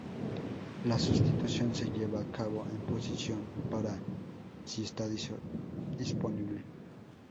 La sustitución se lleva a cabo en posición "para" si está disponible.